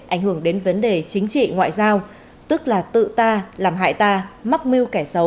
ảnh hưởng đến vấn đề chính trị ngoại giao tức là tự ta làm hại ta mắc mưu kẻ xấu